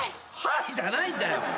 「はい」じゃないんだよ。